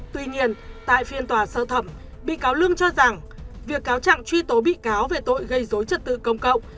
tuy nhiên tại phiên tòa sơ thẩm bị cáo lương cho rằng việc cáo trạng truy tố bị cáo về tội gây dối trật tự công cộng